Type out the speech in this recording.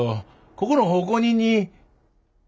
ここの奉公人に。